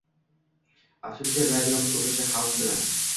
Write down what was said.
Afsuski, radiomiz ko‘pincha xalq bilan.